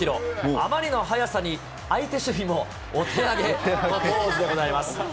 あまりの速さに相手守備もお手上げのポーズでございます。